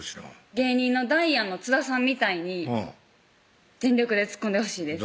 芸人のダイアンの津田さんみたいに全力でツッコんでほしいです